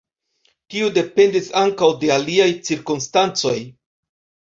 Tio dependis ankaŭ de aliaj cirkonstancoj.